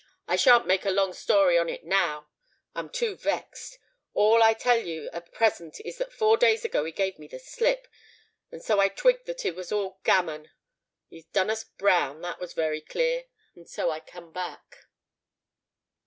I shan't make a long story on it now—I'm too vexed: all I'll tell you at present is that four days ago he gave me the slip; and so I twigged that it was all gammon. He'd done us brown—that was wery clear;—and so I come back."